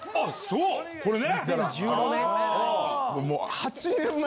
これね！